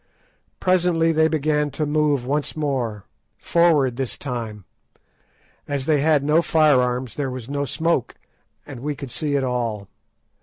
Presently they began to move once more—forward this time; as they had no firearms there was no smoke, so we could see it all.